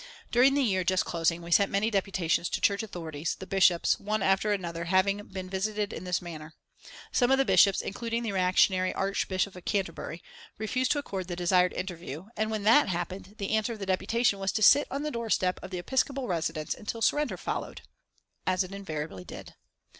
During the year just closing we sent many deputations to Church authorities, the Bishops, one after another having been visited in this manner. Some of the Bishops, including the reactionary Archbishop of Canterbury, refused to accord the desired interview, and when that happened, the answer of the deputation was to sit on the doorstep of the episcopal residence until surrender followed as it invariably did.